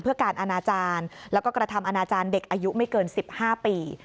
เพื่อการอนาจารย์แล้วก็กระทำอนาจารย์เด็กอายุไม่เกิน๑๕ปี